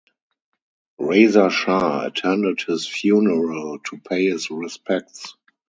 Reza Shah attended his funeral to pay his respects.